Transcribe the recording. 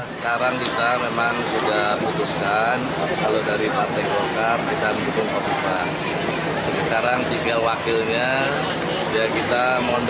saat ini partai golkar terus menjadi dukungan dari partai partai selain p tiga hanura nasdem dan partai demokrat